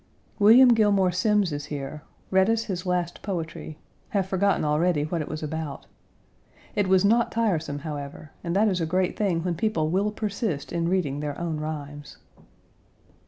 William Gilmore Simms is here; read us his last poetry; have forgotten already what it was about. It was not tiresome, however, and that is a great thing when people will persist in reading their own rhymes.